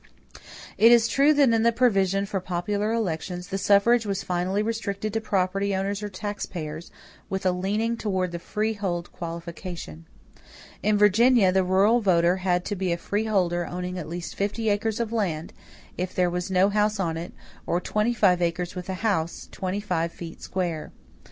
It is true that in the provision for popular elections, the suffrage was finally restricted to property owners or taxpayers, with a leaning toward the freehold qualification. In Virginia, the rural voter had to be a freeholder owning at least fifty acres of land, if there was no house on it, or twenty five acres with a house twenty five feet square.